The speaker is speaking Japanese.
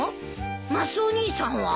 マスオ兄さんは？